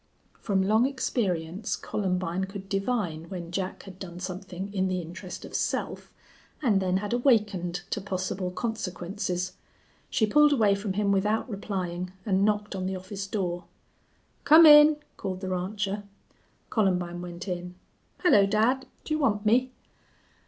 From long experience Columbine could divine when Jack had done something in the interest of self and then had awakened to possible consequences. She pulled away from him without replying, and knocked on the office door. "Come in," called the rancher. Columbine went in. "Hello, dad! Do you want me?"